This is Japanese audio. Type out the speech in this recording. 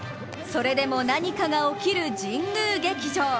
それでも何かが起きる神宮劇場。